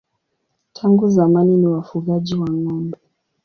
Tangu zamani ni wafugaji wa ng'ombe.